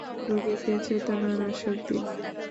রোগীকে চেতনানাশক দিন।